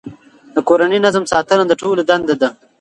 د کورني نظم ساتنه د ټولو دنده ده.